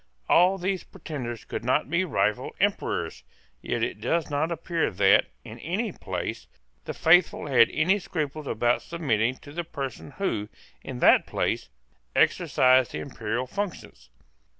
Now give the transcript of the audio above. All these pretenders could not be rightful Emperors. Yet it does not appear that, in any place, the faithful had any scruple about submitting to the person who, in that place, exercised the imperial functions.